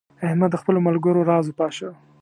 احمد د خپلو ملګرو راز وپاشه.